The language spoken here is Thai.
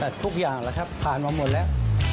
แต่ทุกอย่างแหละครับผ่านมาหมดแล้ว